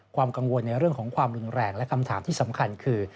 ความกังวลในเรื่องของความรุนแรงและคำถามที่สำคัญคือ